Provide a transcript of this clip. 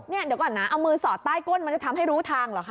เดี๋ยวก่อนนะเอามือสอดใต้ก้นมันจะทำให้รู้ทางเหรอคะ